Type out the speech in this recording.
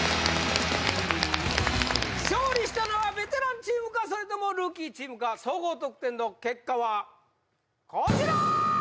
勝利したのはベテランチームかそれともルーキーチームか総合得点の結果はこちら！